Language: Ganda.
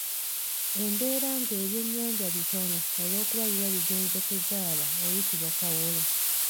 Embeera nga ebyennyanja bitono olwokuba biba bigenze okuzaala eyitibwa Kawolo.